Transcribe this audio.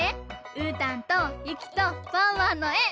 うーたんとゆきとワンワンのえ。